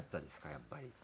やっぱり。